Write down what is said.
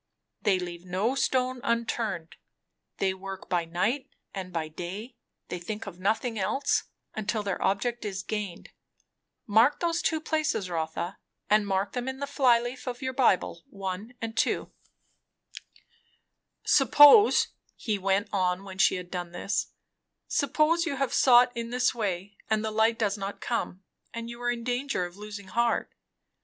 "They leave no stone unturned, they work by night and by day, they think of nothing else, until their object is gained. Mark those two places, Rotha, and mark them in the fly leaf of your Bible, 1. and 2." "Suppose," he went on when she had done this, "suppose you have sought in this way, and the light does not come, and you are in danger of losing heart.